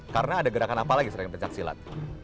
karena ada gerakan apa lagi sering pencak silat